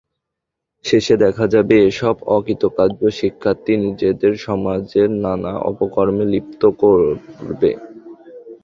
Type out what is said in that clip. শেষে দেখা যাবে, এসব অকৃতকার্য শিক্ষার্থী নিজেদের সমাজের নানা অপকর্মে লিপ্ত করবে।